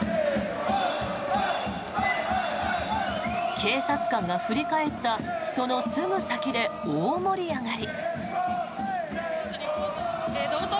警察官が振り返ったそのすぐ先で大盛り上がり。